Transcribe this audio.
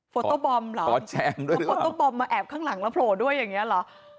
โต้บอมเหรอโฟโต้บอมมาแอบข้างหลังแล้วโผล่ด้วยอย่างนี้เหรอ